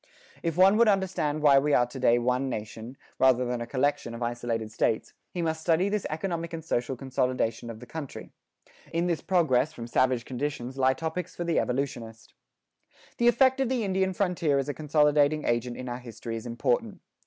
If one would understand why we are to day one nation, rather than a collection of isolated states, he must study this economic and social consolidation of the country. In this progress from savage conditions lie topics for the evolutionist.[15:1] The effect of the Indian frontier as a consolidating agent in our history is important.